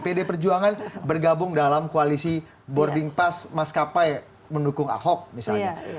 pdip perjuangan bergabung dalam koalisi boarding pass mas kapai mendukung ahok misalnya